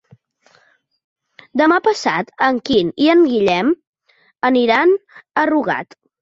Demà passat en Quim i en Guillem aniran a Rugat.